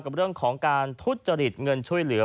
กับเรื่องของการทุจริตเงินช่วยเหลือ